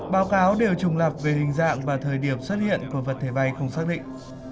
báo cáo đều trùng lập về hình dạng và thời điểm xuất hiện của vật thể bay không xác định